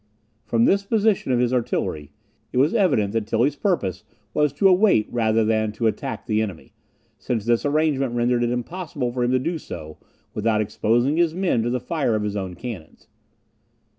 From this position of his artillery, it was evident that Tilly's purpose was to await rather than to attack the enemy; since this arrangement rendered it impossible for him to do so without exposing his men to the fire of his own cannons.